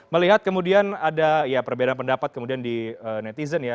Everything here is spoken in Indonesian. melihat kemudian ada ya perbedaan pendapat kemudian di netizen ya